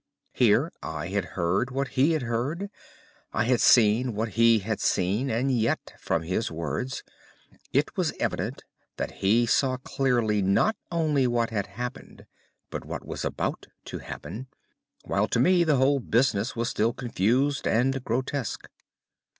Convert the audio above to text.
Here I had heard what he had heard, I had seen what he had seen, and yet from his words it was evident that he saw clearly not only what had happened but what was about to happen, while to me the whole business was still confused and grotesque.